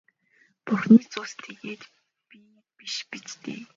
Бурхны цус тэгээд би биш биз дээ.